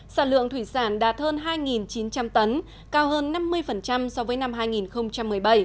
sản lượng thủy sản đạt hơn hai chín trăm linh tấn cao hơn năm mươi so với năm hai nghìn một mươi bảy